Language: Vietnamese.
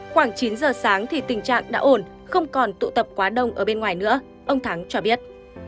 khoảng chín giờ sáng thì tình trạng đã ổn không còn tụ tập quá đông ở bên ngoài nữa ông thắng cho biết